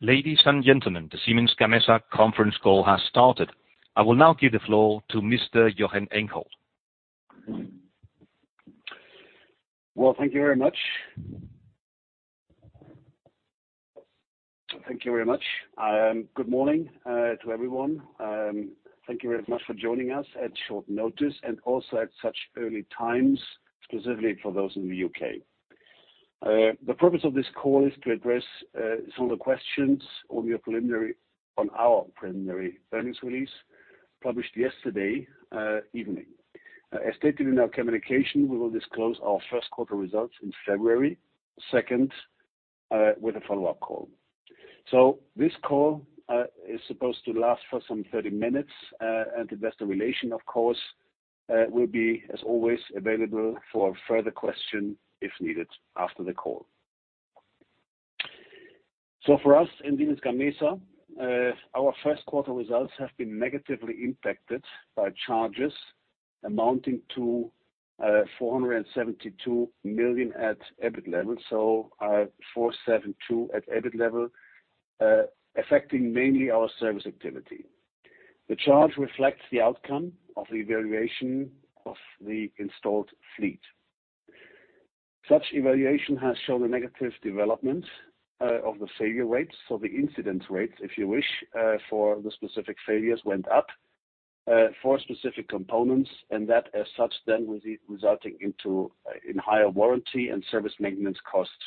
Ladies and gentlemen, the Siemens Gamesa conference call has started. I will now give the floor to Mr. Jochen Eickholt. Well, thank you very much. Thank you very much. Good morning to everyone. Thank you very much for joining us at short notice and also at such early times, specifically for those in the U.K. The purpose of this call is to address some of the questions on our preliminary earnings release published yesterday evening. As stated in our communication, we will disclose our Q1 results in February 2nd with a follow-up call. This call is supposed to last for some 30 minutes, and investor relation, of course, will be as always available for further question if needed after the call. For us in Siemens Gamesa, our Q1 results have been negatively impacted by charges amounting to 472 million at EBIT level. 472 at EBIT level, affecting mainly our service activity. The charge reflects the outcome of the evaluation of the installed fleet. Such evaluation has shown a negative development of the failure rates. The incident rates, if you wish, for the specific failures went up for specific components, and that as such then resulting in higher warranty and service maintenance costs,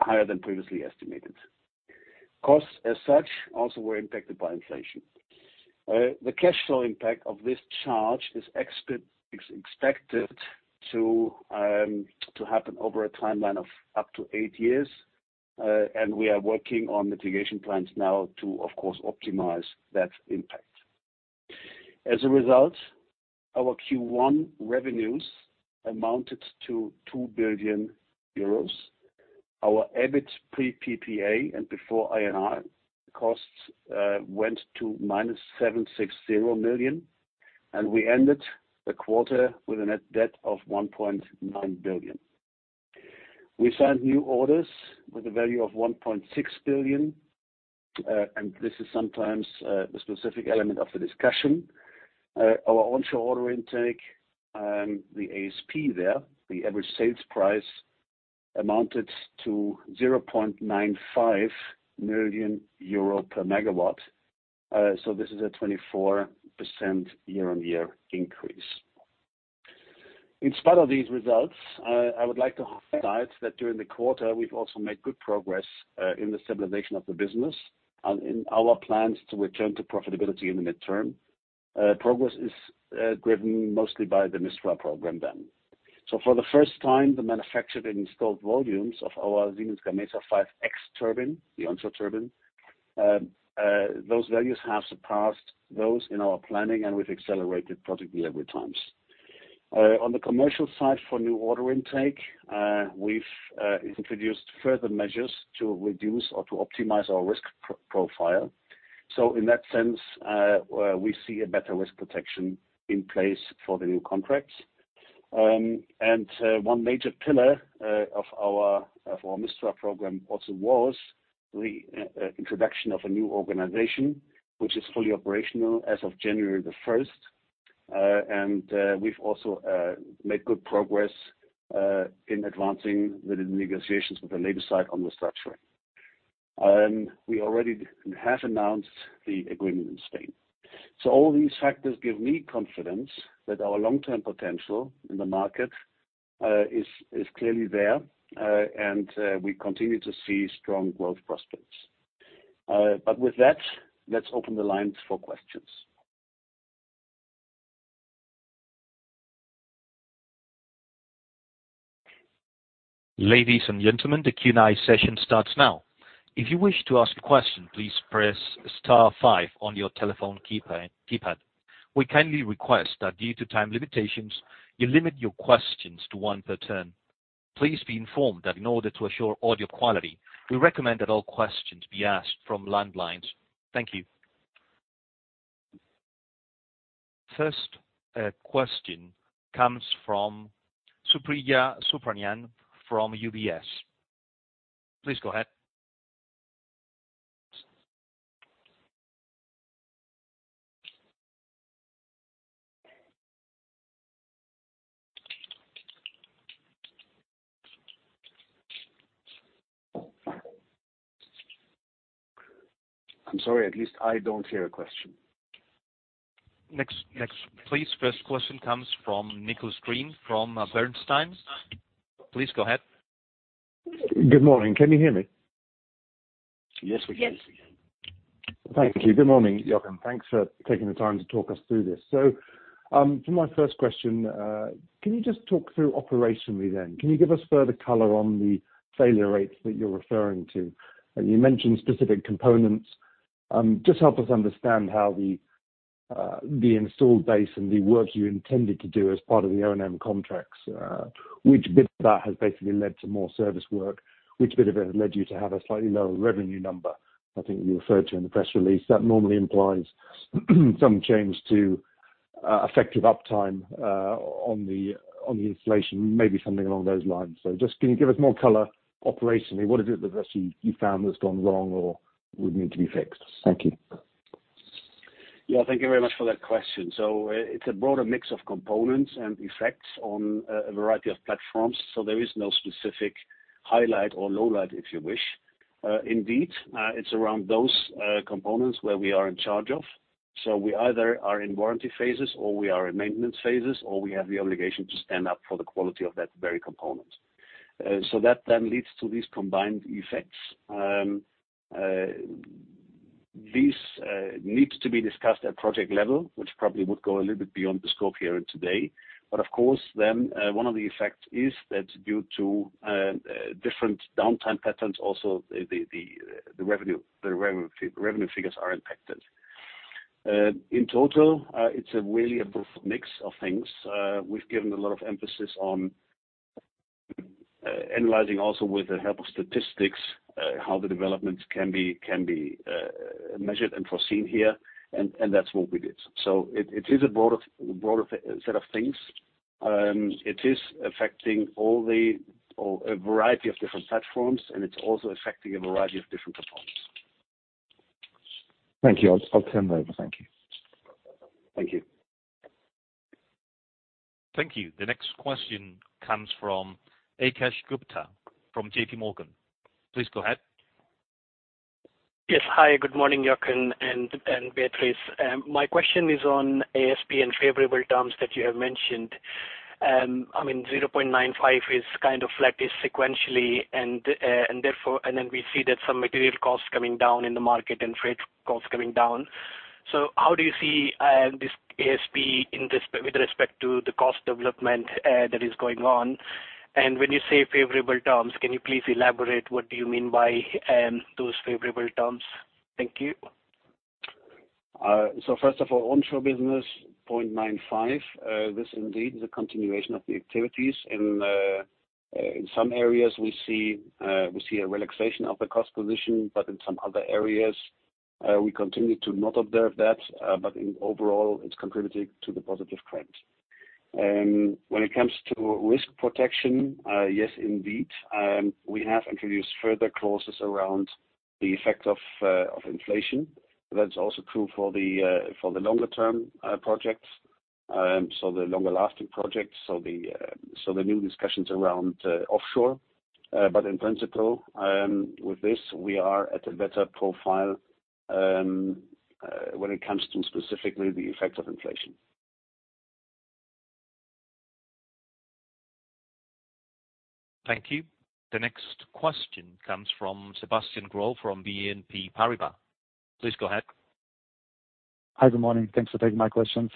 higher than previously estimated. Costs as such also were impacted by inflation. The cash flow impact of this charge is expected to happen over a timeline of up to 8 years, and we are working on mitigation plans now to of course optimize that impact. As a result, our Q1 revenues amounted to 2 billion euros. Our EBIT pre PPA and before I&R costs went to -760 million. We ended the quarter with a net debt of 1.9 billion. We signed new orders with a value of 1.6 billion. This is sometimes the specific element of the discussion. Our onshore order intake, the ASP there, the average sales price amounted to 0.95 million euro per MW. This is a 24% year-on-year increase. In spite of these results, I would like to highlight that during the quarter we've also made good progress in the stabilization of the business and in our plans to return to profitability in the midterm. Progress is driven mostly by the Mistral program then. For the first time, the manufactured and installed volumes of our Siemens Gamesa 5.X turbine, the onshore turbine, those values have surpassed those in our planning, and we've accelerated project delivery times. On the commercial side for new order intake, we've introduced further measures to reduce or to optimize our risk profile. In that sense, we see a better risk protection in place for the new contracts. One major pillar of our Mistral program also was the introduction of a new organization, which is fully operational as of January the first. We've also made good progress in advancing the negotiations with the labor side on the structuring. We already have announced the agreement in Spain. All these factors give me confidence that our long-term potential in the market, is clearly there, and we continue to see strong growth prospects. With that, let's open the lines for questions. Ladies and gentlemen, the Q&A session starts now. If you wish to ask a question, please press star five on your telephone keypad. We kindly request that due to time limitations, you limit your questions to one per turn. Please be informed that in order to assure audio quality, we recommend that all questions be asked from landlines. Thank you. First, question comes from Supriya Subramanian from UBS. Please go ahead. I'm sorry. At least I don't hear a question. Next. Next, please. First question comes from Nicholas Green from Bernstein. Please go ahead. Good morning. Can you hear me? Yes, we can. Yes. Thank you. Good morning, Jochen. Thanks for taking the time to talk us through this. For my first question, can you just talk through operationally then? Can you give us further color on the failure rates that you're referring to? You mentioned specific components. Just help us understand how the installed base and the work you intended to do as part of the O&M contracts, which bit of that has basically led to more service work, which bit of it has led you to have a slightly lower revenue number I think you referred to in the press release. That normally implies some change to- Effective uptime, on the, on the installation, maybe something along those lines. Just can you give us more color operationally, what is it that actually you found that's gone wrong or would need to be fixed? Thank you. Yeah, thank you very much for that question. It's a broader mix of components and effects on a variety of platforms, so there is no specific highlight or lowlight, if you wish. Indeed, it's around those components where we are in charge of. We either are in warranty phases or we are in maintenance phases, or we have the obligation to stand up for the quality of that very component. That then leads to these combined effects. This needs to be discussed at project level, which probably would go a little bit beyond the scope here today. Of course, then, one of the effects is that due to different downtime patterns also the revenue figures are impacted. In total, it's a really a broad mix of things. We've given a lot of emphasis on analyzing also with the help of statistics, how the developments can be, can be measured and foreseen here, that's what we did. It is a broader set of things. It is affecting all the or a variety of different platforms, and it's also affecting a variety of different components. Thank you. I'll turn over. Thank you. Thank you. Thank you. The next question comes from Akash Gupta from J.P. Morgan. Please go ahead. Yes. Hi, good morning, Jochen and Beatriz. My question is on ASP in favorable terms that you have mentioned. I mean, 0.95 is kind of flat-ish sequentially. We see that some material costs coming down in the market and freight costs coming down. How do you see this ASP with respect to the cost development that is going on? And when you say favorable terms, can you please elaborate what do you mean by those favorable terms? Thank you. First of all, onshore business 0.95, this indeed is a continuation of the activities. In some areas we see a relaxation of the cost position, but in some other areas, we continue to not observe that, but in overall, it's contributing to the positive trend. When it comes to risk protection, yes, indeed, we have introduced further clauses around the effect of inflation. That's also true for the longer term projects. So the longer lasting projects, so the new discussions around offshore. In principle, with this, we are at a better profile, when it comes to specifically the effects of inflation. Thank you. The next question comes from Sebastian Growe from BNP Paribas. Please go ahead. Hi, good morning. Thanks for taking my questions.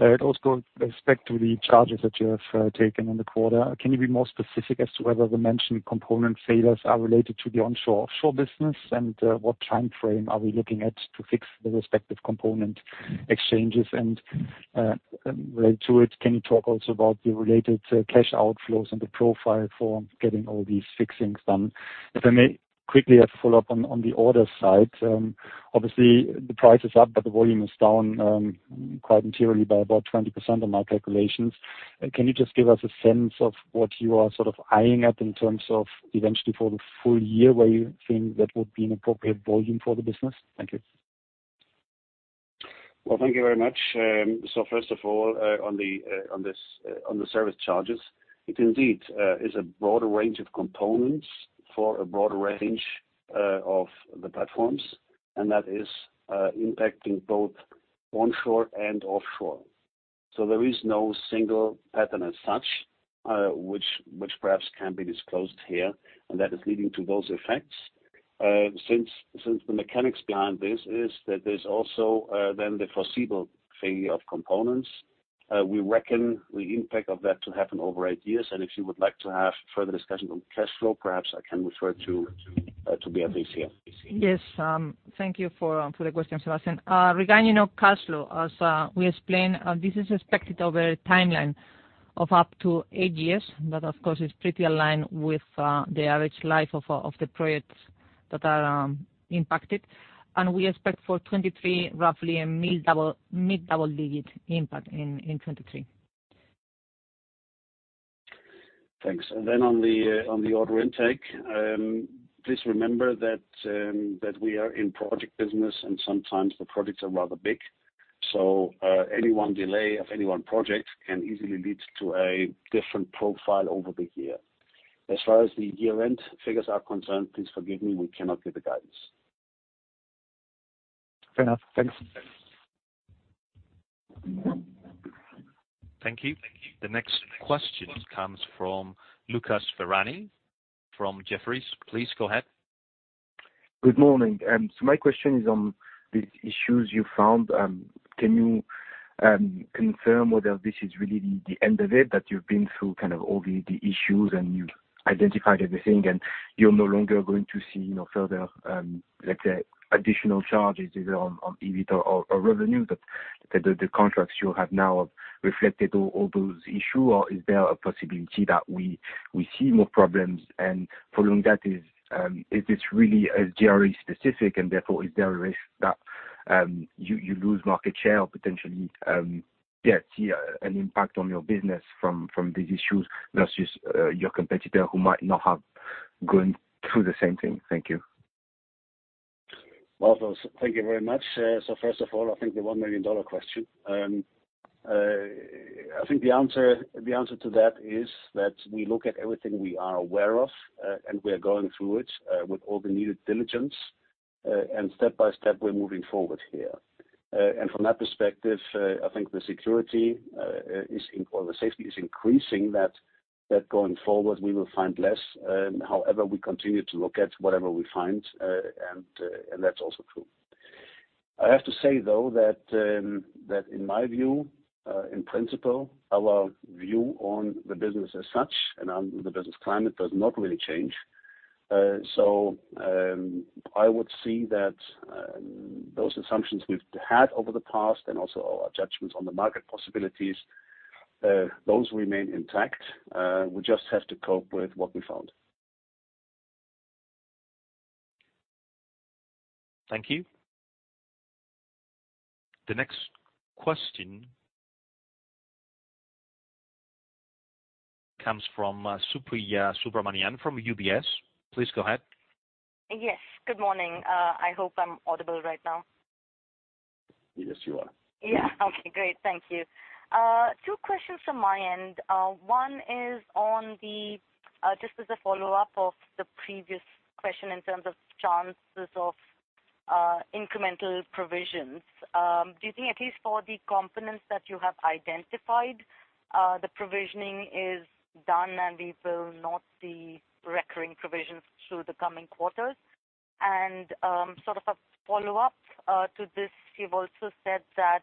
It also goes back to the charges that you have taken in the quarter. Can you be more specific as to whether the mentioned component failures are related to the onshore offshore business, what time frame are we looking at to fix the respective component exchanges? Related to it, can you talk also about the related cash outflows and the profile for getting all these fixings done? If I may quickly a follow-up on the order side, obviously the price is up, but the volume is down quite materially by about 20% on my calculations. Can you just give us a sense of what you are sort of eyeing at in terms of eventually for the full year, where you think that would be an appropriate volume for the business? Thank you. Thank you very much. First of all, on the service charges, it indeed is a broader range of components for a broad range of the platforms, and that is impacting both onshore and offshore. There is no single pattern as such, which perhaps can be disclosed here, and that is leading to those effects. Since the mechanics behind this is that there's also then the foreseeable failure of components, we reckon the impact of that to happen over 8 years. If you would like to have further discussion on cash flow, perhaps I can refer to Beatriz here. Yes, thank you for the question, Sebastian. Regarding of cash flow, as we explained, this is expected over a timeline of up to 8 years. That, of course, is pretty aligned with the average life of the projects that are impacted. We expect for 2023, roughly a mid double digit impact in 2023. Thanks. On the on the order intake, please remember that we are in project business and sometimes the projects are rather big. Any one delay of any one project can easily lead to a different profile over the year. As far as the year-end figures are concerned, please forgive me, we cannot give the guidance. Fair enough. Thanks. Thank you. The next question comes from Lucas Ferhani from Jefferies. Please go ahead. Good morning. My question is on the issues you found. Can you confirm whether this is really the end of it, that you've been through kind of all the issues and you identified everything and you're no longer going to see, you know, further, let's say additional charges either on EBIT or revenue, that the contracts you have now reflected all those issue? Or is there a possibility that we see more problems? Following that, is this really SGRE specific and therefore is there a risk that You lose market share potentially, yeah, see an impact on your business from these issues versus your competitor who might not have gone through the same thing. Thank you. Well, thank you very much. First of all, I think the one million dollar question. I think the answer to that is that we look at everything we are aware of, and we are going through it with all the needed diligence. And step-by-step we're moving forward here. And from that perspective, I think the security or the safety is increasing that going forward, we will find less. However we continue to look at whatever we find, and that's also true. I have to say, though, that in my view, in principle, our view on the business as such and on the business climate does not really change. I would see that, those assumptions we've had over the past and also our judgments on the market possibilities, those remain intact. We just have to cope with what we found. Thank you. The next question comes from Supriya Subramanian from UBS. Please go ahead. Yes. Good morning. I hope I'm audible right now. Yes, you are. Yeah. Okay, great. Thank you. 2 questions from my end. 1 is on the, just as a follow-up of the previous question in terms of chances of, incremental provisions. Do you think at least for the components that you have identified, the provisioning is done and we will not see recurring provisions through the coming quarters? Sort of a follow-up, to this, you've also said that,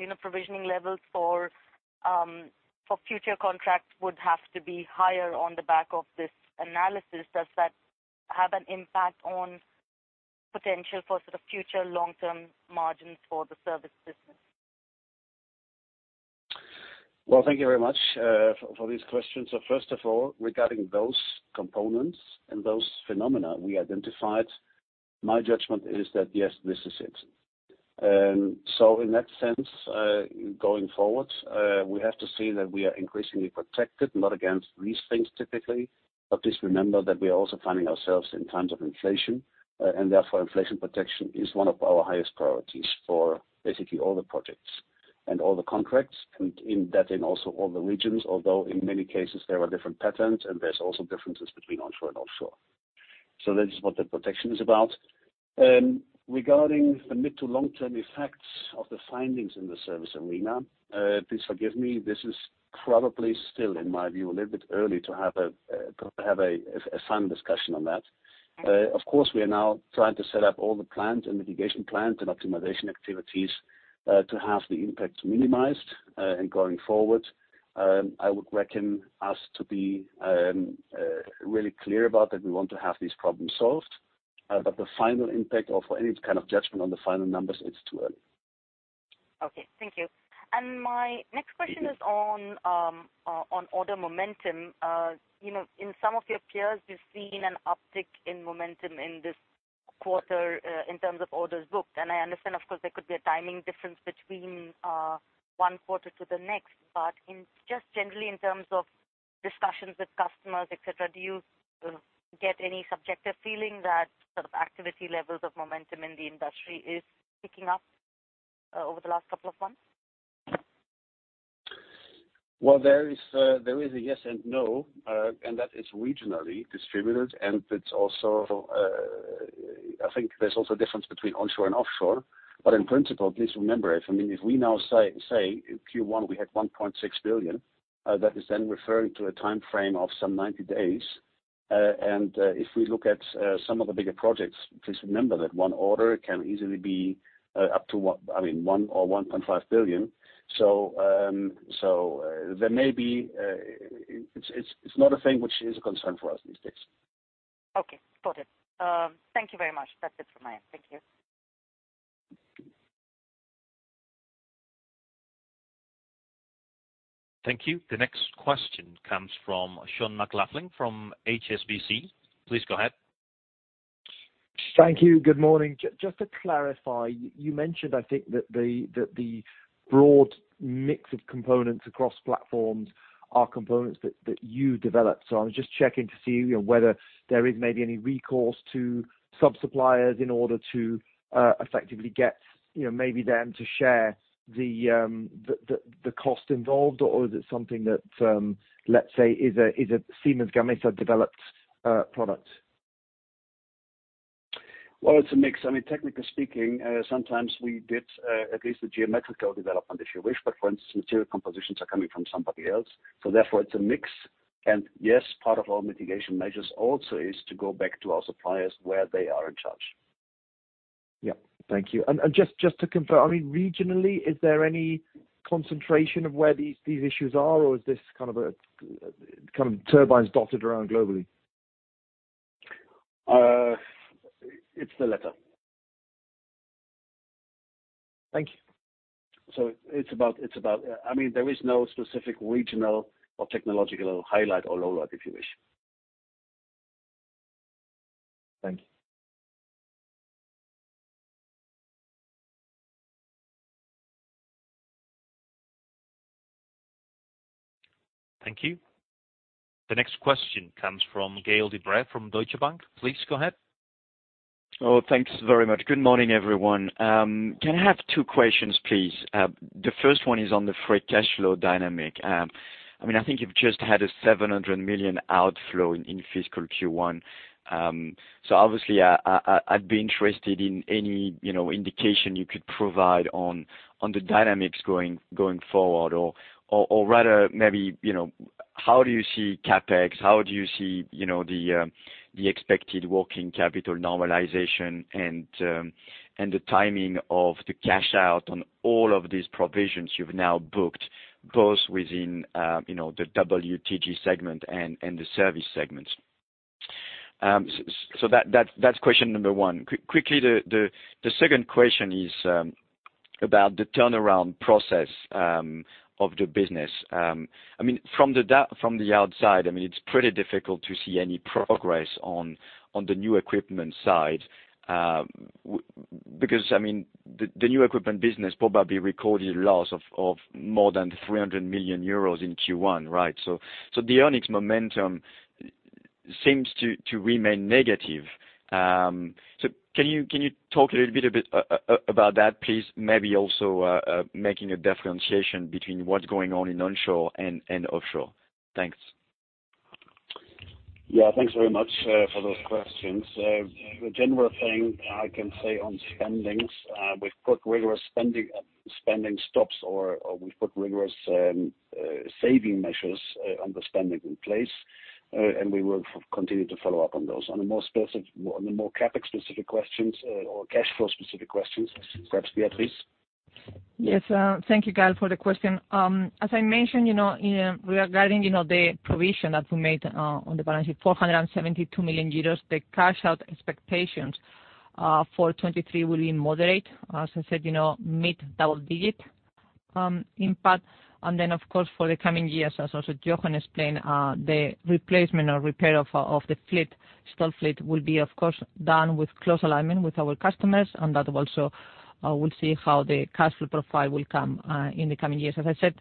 you know, provisioning levels for future contracts would have to be higher on the back of this analysis. Does that have an impact on potential for sort of future long-term margins for the service business? Well, thank you very much for these questions. First of all, regarding those components and those phenomena we identified, my judgment is that, yes, this is it. In that sense, going forward, we have to see that we are increasingly protected, not against these things typically. Please remember that we are also finding ourselves in times of inflation, and therefore inflation protection is one of our highest priorities for basically all the projects and all the contracts, and in that also all the regions. Although in many cases there are different patterns, and there's also differences between onshore and offshore. That is what the protection is about. Regarding the mid to long-term effects of the findings in the service arena, please forgive me, this is probably still, in my view, a little bit early to have a, to have a final discussion on that. Of course, we are now trying to set up all the plans and mitigation plans and optimization activities, to have the impacts minimized. Going forward, I would reckon us to be really clear about that we want to have these problems solved. The final impact or for any kind of judgment on the final numbers, it's too early. Okay. Thank you. My next question is on order momentum. You know, in some of your peers, we've seen an uptick in momentum in this quarter, in terms of orders booked. I understand, of course, there could be a timing difference between 1 quarter to the next. Just generally in terms of discussions with customers, et cetera, do you get any subjective feeling that sort of activity levels of momentum in the industry is picking up, over the last two months? There is, there is a yes and no, and that is regionally distributed, and it's also, I think there's also a difference between onshore and offshore. In principle, please remember, if, I mean, if we now say in Q1 we had 1.6 billion, that is then referring to a timeframe of some 90 days. If we look at, some of the bigger projects, please remember that one order can easily be, up to I mean, one or 1.5 billion. There may be, it's, it's not a thing which is a concern for us these days. Okay. Got it. Thank you very much. That's it from my end. Thank you. Thank you. The next question comes from Sean McLoughlin from HSBC. Please go ahead. Thank you. Good morning. Just to clarify, you mentioned, I think, that the broad mix of components across platforms are components that you developed. I was just checking to see, you know, whether there is maybe any recourse to sub-suppliers in order to effectively get, you know, maybe them to share the cost involved. Is it something that, let's say is a Siemens Gamesa developed product? Well, it's a mix. I mean, technically speaking, sometimes we did, at least the geometrical development, if you wish. For instance, material compositions are coming from somebody else, so therefore it's a mix. Yes, part of our mitigation measures also is to go back to our suppliers where they are in charge. Yeah. Thank you. Just to confirm, I mean, regionally, is there any concentration of where these issues are, or is this kind of turbines dotted around globally? It's the latter. Thank you. it's about... I mean, there is no specific regional or technological highlight or lowlight, if you wish. Thank you. Thank you. The next question comes from Gael De-Bray from Deutsche Bank. Please go ahead. Oh, thanks very much. Good morning, everyone. Can I have two questions, please? The first one is on the free cash flow dynamic. I mean, I think you've just had a 700 million outflow in fiscal Q1. Obviously I'd be interested in any, you know, indication you could provide on the dynamics going forward or rather maybe, you know, how do you see CapEx, how do you see, you know, the expected working capital normalization and the timing of the cash out on all of these provisions you've now booked, both within, you know, the WTG segment and the service segments? That's question number one. Quickly, the second question is about the turnaround process of the business. I mean, from the outside, I mean, it's pretty difficult to see any progress on the new equipment side, because I mean, the new equipment business probably recorded a loss of more than 300 million euros in Q1, right? The earnings momentum seems to remain negative. Can you talk a little bit about that, please? Maybe also, making a differentiation between what's going on in onshore and offshore. Thanks. Thanks very much for those questions. The general thing I can say on spendings, we've put rigorous spending stops or we've put rigorous saving measures on the spending in place. We will continue to follow up on those. On a more specific, on a more CapEx specific questions or cash flow specific questions, perhaps Beatriz. Yes, thank you, Gael, for the question. As I mentioned, you know, regarding, you know, the provision that we made on the balance sheet, 472 million euros, the cash out expectations for 2023 will be moderate. As I said, you know, mid-double digit impact. Of course, for the coming years, as also Jochen explained, the replacement or repair of the fleet, stall fleet, will be of course done with close alignment with our customers, and that also, we'll see how the cash flow profile will come in the coming years. As I said,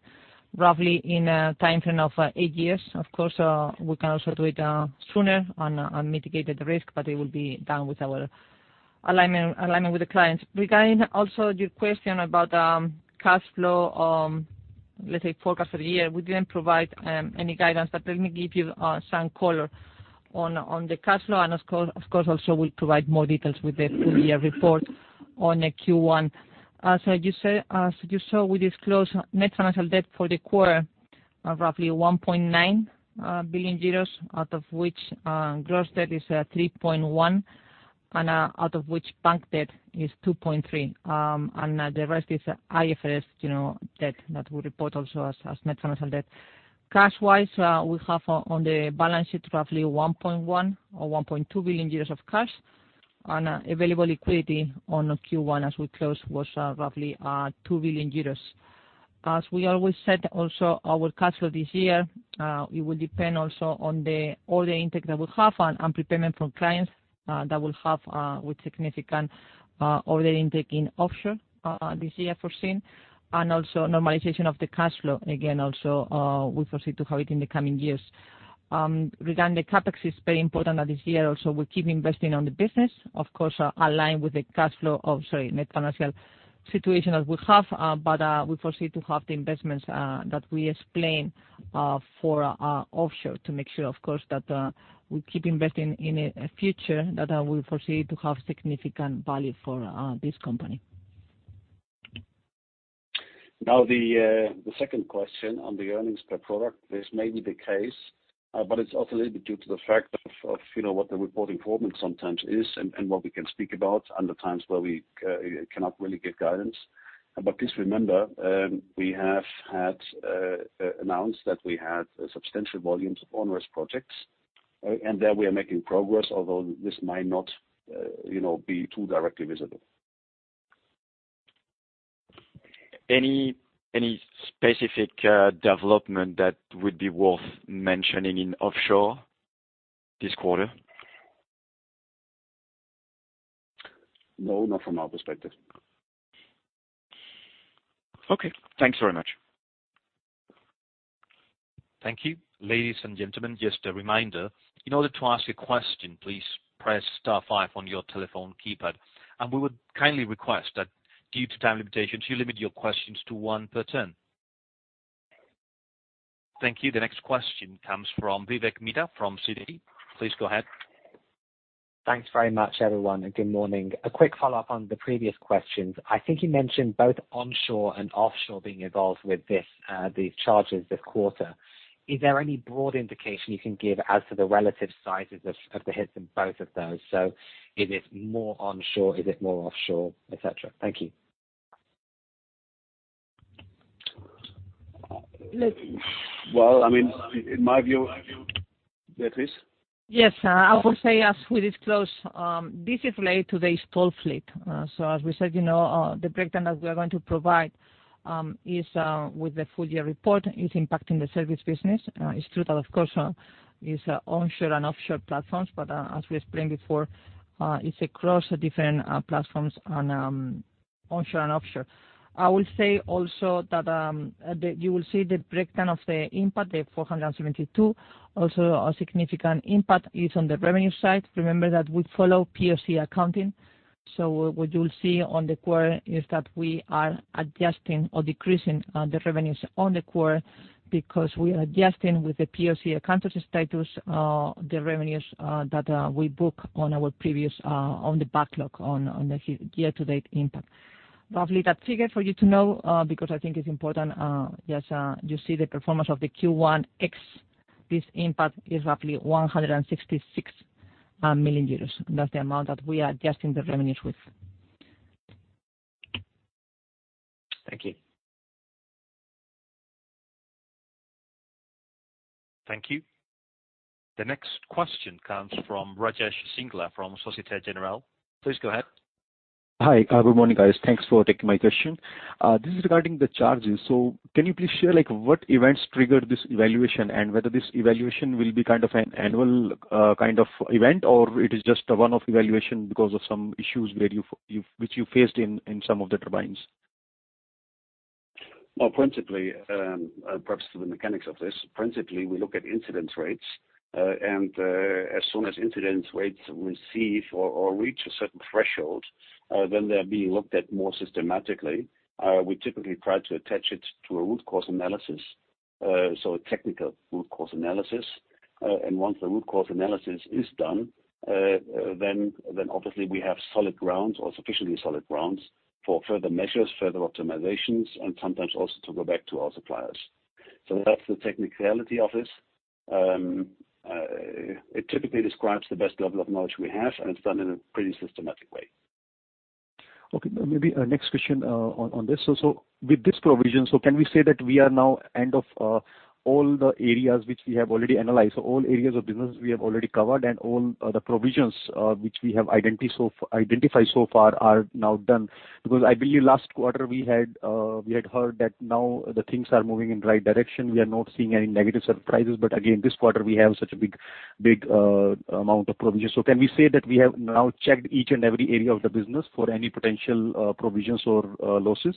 roughly in a timeframe of eight years, of course, we can also do it sooner on a mitigated risk, but it will be done with our alignment with the clients. Regarding also your question about cash flow, let's say forecast for the year, we didn't provide any guidance. Let me give you some color on the cash flow and of course, also we'll provide more details with the full year report on the Q1. As you saw, we disclosed net financial debt for the quarter of roughly 1.9 billion euros, out of which gross debt is 3.1 billion, and out of which bank debt is 2.3 billion, and the rest is IFRS, you know, debt that we report also as net financial debt. Cash wise, we have on the balance sheet roughly 1.1 billion or 1.2 billion euros of cash and available liquidity on Q1 as we close was roughly 2 billion euros. As we always said, also our cash flow this year, it will depend also on the order intake that we have and prepayment from clients, that will have with significant order intake in offshore this year foreseen, and also normalization of the cash flow. Again, also, we foresee to have it in the coming years. Regarding the CapEx is very important that this year also we keep investing on the business, of course, aligned with the net financial situation that we have, but we foresee to have the investments that we explained for offshore to make sure of course that we keep investing in a future that we foresee to have significant value for this company. The second question on the earnings per product, this may be the case, but it's also a little bit due to the fact of, you know, what the reporting format sometimes is and what we can speak about and the times where we cannot really give guidance. Please remember, we have had announced that we had substantial volumes of on-risk projects, and that we are making progress, although this might not, you know, be too directly visible. Any specific development that would be worth mentioning in offshore this quarter? No, not from our perspective. Okay, thanks very much. Thank you. Ladies and gentlemen, just a reminder, in order to ask a question, please press star five on your telephone keypad. We would kindly request that due to time limitations, you limit your questions to one per turn. Thank you. The next question comes from Vivek Midha from Citi. Please go ahead. Thanks very much, everyone. Good morning. A quick follow-up on the previous questions. I think you mentioned both onshore and offshore being involved with this, these charges this quarter. Is there any broad indication you can give as to the relative sizes of the hits in both of those? Is it more onshore? Is it more offshore, et cetera? Thank you. Let- Well, I mean, in my view... Beatriz? Yes. I would say as we disclose, this is related to the stall fleet. As we said, you know, the breakdown that we are going to provide is with the full year report, is impacting the service business. It's true that of course, is onshore and offshore platforms, but as we explained before, it's across different platforms and onshore and offshore. I will say also that you will see the breakdown of the impact, the 472. Also, a significant impact is on the revenue side. Remember that we follow POC accounting, what you'll see on the quarter is that we are adjusting or decreasing the revenues on the quarter because we are adjusting with the POC accounting status the revenues that we book on our previous on the backlog on the year-to-date impact. Roughly, that figure for you to know, because I think it's important, just, you see the performance of the Q1 X. This impact is roughly 166 million euros. That's the amount that we are adjusting the revenues with. Thank you. Thank you. The next question comes from Rajesh Singla from Société Générale. Please go ahead. Hi. Good morning, guys. Thanks for taking my question. This is regarding the charges. Can you please share, like, what events triggered this evaluation and whether this evaluation will be kind of an annual, kind of event, or it is just a one-off evaluation because of some issues which you faced in some of the turbines? Well, principally, perhaps to the mechanics of this. Principally, we look at incidence rates, and as soon as incidence rates receive or reach a certain threshold, then they're being looked at more systematically. We typically try to attach it to a root cause analysis, so a technical root cause analysis. Once the root cause analysis is done, then obviously we have solid ground or sufficiently solid grounds for further measures, further optimizations, and sometimes also to go back to our suppliers. That's the technicality of this. It typically describes the best level of knowledge we have, and it's done in a pretty systematic way. Okay. Maybe a next question on this. With this provision, can we say that we are now end of all the areas which we have already analyzed? All areas of business we have already covered and all the provisions which we have identified so far are now done? I believe last quarter we had heard that now the things are moving in the right direction. We are not seeing any negative surprises. Again, this quarter we have such a big amount of provisions. Can we say that we have now checked each and every area of the business for any potential provisions or losses?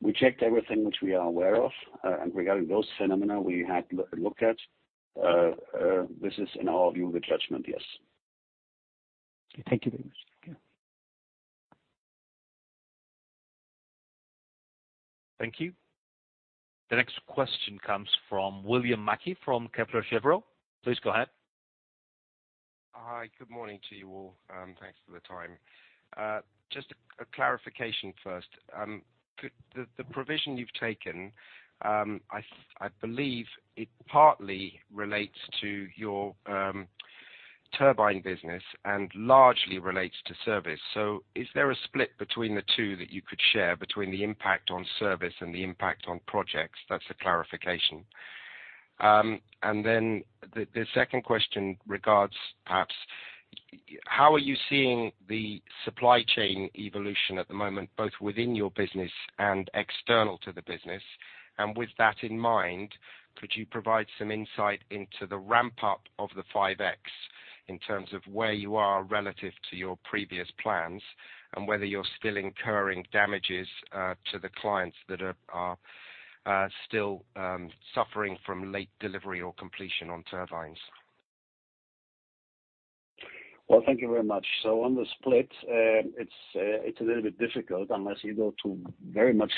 We checked everything which we are aware of, regarding those phenomena we had looked at. This is in our view the judgment, yes. Thank you very much. Thank you. Thank you. The next question comes from William Mackie from Kepler Cheuvreux. Please go ahead. Hi. Good morning to you all. Thanks for the time. Just a clarification first. Could the provision you've taken, I believe it partly relates to your turbine business and largely relates to service. Is there a split between the two that you could share between the impact on service and the impact on projects? That's the clarification. Then the second question regards perhaps how are you seeing the supply chain evolution at the moment, both within your business and external to the business? With that in mind, could you provide some insight into the ramp up of the 5.X in terms of where you are relative to your previous plans and whether you're still incurring damages to the clients that are still suffering from late delivery or completion on turbines? Well, thank you very much. On the split, it's a little bit difficult unless you go to very much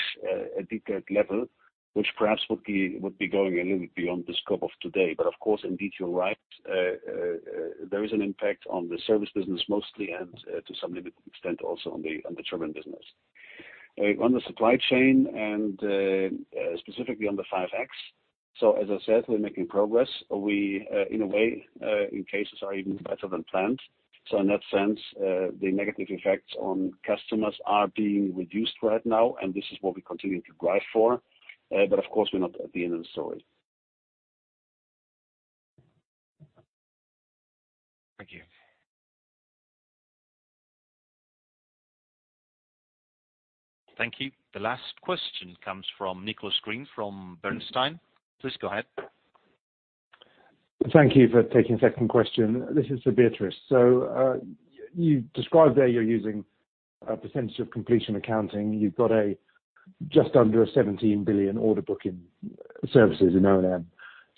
a detailed level, which perhaps would be going a little bit beyond the scope of today. Of course, indeed, you're right. There is an impact on the service business mostly and to some limited extent also on the turbine business. On the supply chain and specifically on the 5.X. As I said, we're making progress. We in a way in cases are even better than planned. In that sense, the negative effects on customers are being reduced right now, and this is what we continue to drive for. Of course, we're not at the end of the story. Thank you. Thank you. The last question comes from Nicholas Green from Bernstein. Please go ahead. Thank you for taking a second question. This is for Beatriz. You described there you're using a percentage of completion accounting. You've got a just under a 17 billion order book in services in O&M.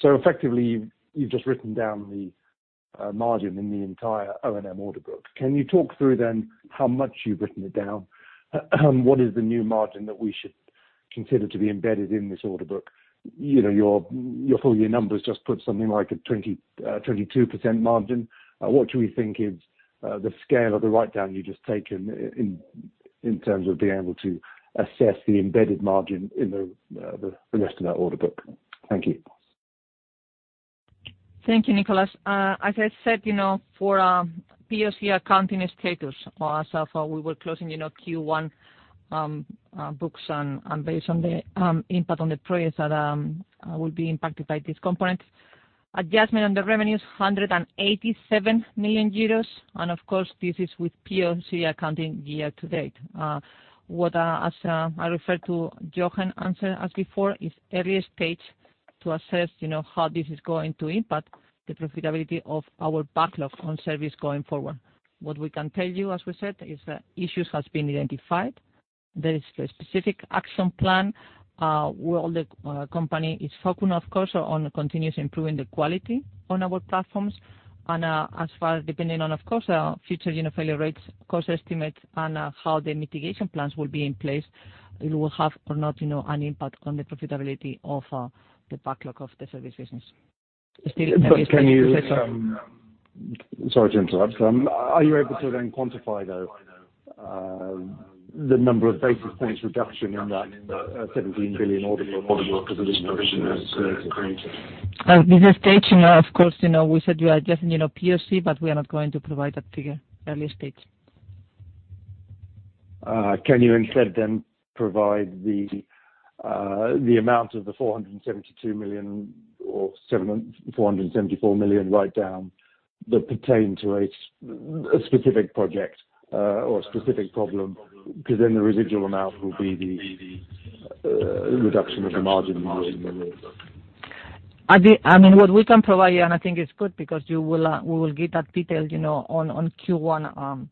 effectively you've just written down the margin in the entire O&M order book. Can you talk through how much you've written it down? What is the new margin that we should consider to be embedded in this order book? You know, your full year numbers just put something like a 22% margin. What should we think is the scale of the write down you've just taken in terms of being able to assess the embedded margin in the rest of that order book? Thank you. Thank you, Nicholas. As I said, you know, for POC accounting status as of, we were closing, you know, Q1 books. Based on the impact on the projects that will be impacted by this component. Adjustment on the revenue is 187 million euros, and of course, this is with POC accounting year to date. What as I referred to Jochen answer as before, is early stage to assess, you know, how this is going to impact the profitability of our backlog on service going forward. What we can tell you, as we said, is that issues have been identified. There is a specific action plan, where the company is focusing, of course, on continuously improving the quality on our platforms and as far depending on, of course, our future, you know, failure rates, cost estimates, and how the mitigation plans will be in place, it will have or not, you know, an impact on the profitability of the backlog of the service business. Still. Can you, Sorry to interrupt. Are you able to then quantify, though, the number of basis points reduction in that EUR 17 billion order book as a result of this provision that has been made? At this stage, you know, of course, you know, we said we are adjusting, you know POC, but we are not going to provide that figure early stage. Can you instead then provide the amount of the 472 million or 474 million write down that pertain to a specific project or a specific problem, because then the residual amount will be the reduction of the margin you made. I mean, what we can provide you, and I think it's good because you will, we will give that detail, you know, on Q1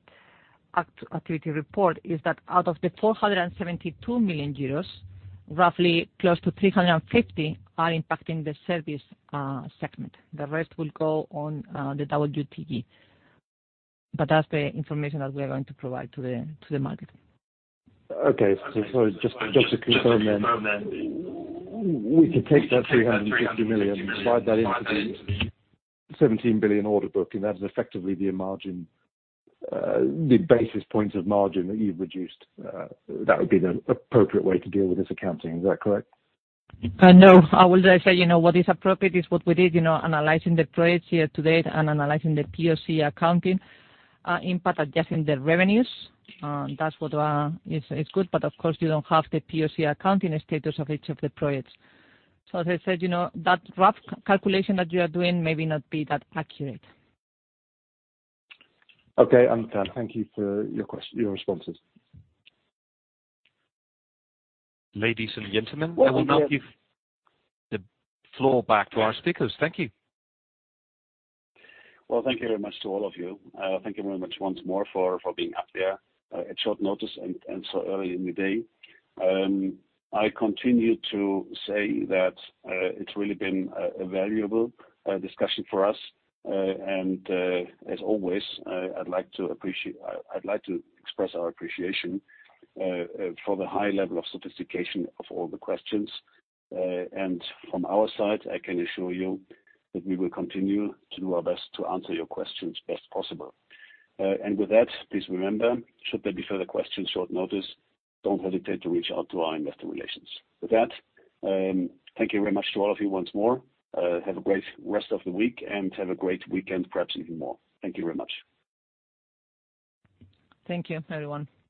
activity report, is that out of the 472 million euros, roughly close to 350 million are impacting the service segment. The rest will go on the WTG. That's the information that we are going to provide to the market. Okay. Sorry, just to confirm then. We can take that 350 million, divide that into the 17 billion order book, and that is effectively the margin, the basis points of margin that you've reduced. That would be the appropriate way to deal with this accounting, is that correct? No. I would say, you know, what is appropriate is what we did, you know, analyzing the trades year to date and analyzing the POC accounting impact, adjusting the revenues. That's what is good. Of course, you don't have the POC accounting status of each of the projects. As I said, you know, that rough calculation that you are doing may not be that accurate. Okay, understand. Thank you for your responses. Ladies and gentlemen, I will now give the floor back to our speakers. Thank you. Well, thank you very much to all of you. Thank you very much once more for being up there at short notice and so early in the day. I continue to say that it's really been a valuable discussion for us. As always, I'd like to express our appreciation for the high level of sophistication of all the questions. From our side, I can assure you that we will continue to do our best to answer your questions best possible. With that, please remember, should there be further questions short notice, don't hesitate to reach out to our investor relations. With that, thank you very much to all of you once more. Have a great rest of the week, and have a great weekend, perhaps even more. Thank you very much. Thank you, everyone.